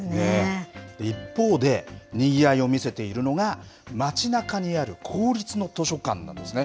一方でにぎわいを見せているのが、街なかにある公立の図書館なんですね。